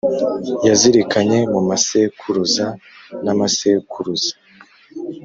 yazirikanye mu masekuruza n’amasekuruza,